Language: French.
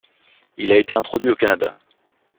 Il a été introduit au Canada.